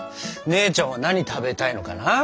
姉ちゃんは何食べたいのかな？